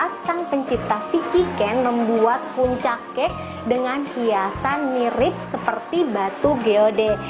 sang pencipta vicky ken membuat puncak kek dengan hiasan mirip seperti batu geode